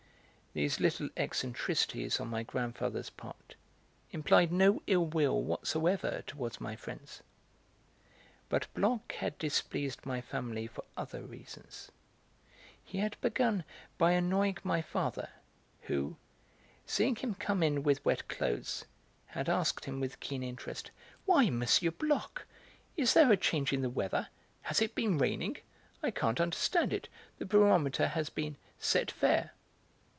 These little eccentricities on my grandfather's part implied no ill will whatsoever towards my friends. But Bloch had displeased my family for other reasons. He had begun by annoying my father, who, seeing him come in with wet clothes, had asked him with keen interest: "Why, M. Bloch, is there a change in the weather; has it been raining? I can't understand it; the barometer has been 'set fair.'"